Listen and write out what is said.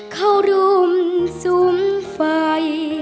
เข้ารุ่มสุ่มไฟ